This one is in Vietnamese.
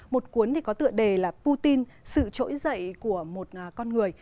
một cuốn có tựa đề là putin sự trỗi dậy của một con người